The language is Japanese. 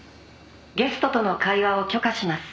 「ゲストとの会話を許可します」